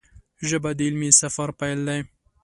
ژبه د علمي سفر پیل دی